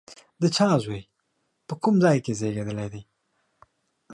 د چا زوی، په کوم ځای کې زېږېدلی دی؟